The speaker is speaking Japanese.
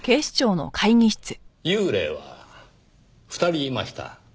幽霊は２人いました。